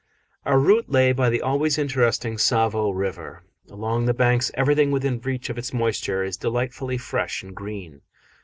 Our route lay by the always interesting Tsavo River. Along the banks everything within reach of its moisture is delightfully fresh and green.